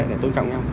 dạ đúng rồi